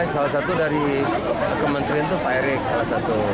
salah satu dari kementerian itu pak erik salah satu